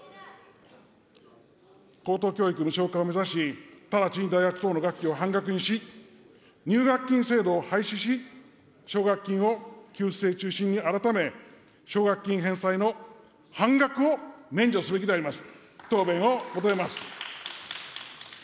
高等教育無償化を目指し、直ちに大学等の学費を半額にし、入学金制度を廃止し、奨学金を給付制中心に改めて、奨学金返済の半額を免除すべきであります。